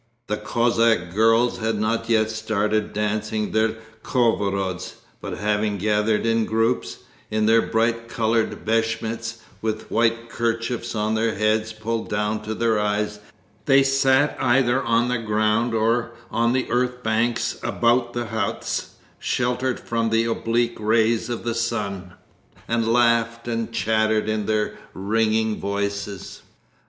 The Cossack girls had not yet started dancing their khorovods, but having gathered in groups, in their bright coloured beshmets with white kerchiefs on their heads pulled down to their eyes, they sat either on the ground or on the earth banks about the huts sheltered from the oblique rays of the sun, and laughed and chattered in their ringing voices.